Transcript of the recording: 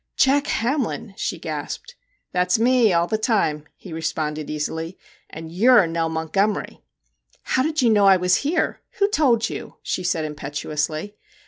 * Jack Hamlin,' she gasped. * That's me, all the time/ he responded easily, * and you 're Nell Montgomery !'' How did you know I was here ? Who told you ?' she said impetuously.